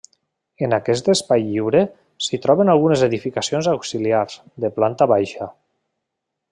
En aquest espai lliure, s'hi troben algunes edificacions auxiliars, de planta baixa.